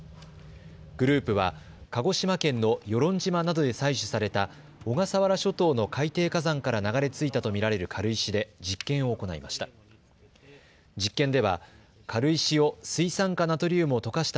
グループは鹿児島県の与論島などで採取された小笠原諸島の海底火山から流れ着いたと見られる軽石で実験を行いました。